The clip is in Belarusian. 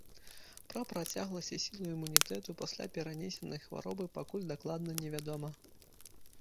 Пра працягласць і сілу імунітэту пасля перанесенай хваробы пакуль дакладна невядома.